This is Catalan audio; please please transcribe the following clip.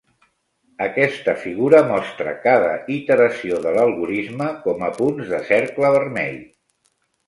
Aquesta figura mostra cada iteració de l'algorisme com a punts de cercle vermell.